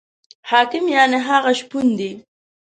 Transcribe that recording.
حاکم یعنې هغه شپون دی.